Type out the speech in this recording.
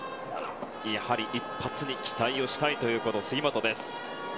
やはり一発に期待をしたいという杉本です。